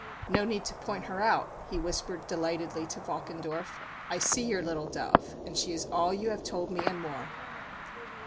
"No need to point her out," he whispered delightedly to Valkendorf, "I see your 'little dove,' and she is all you have told me and more."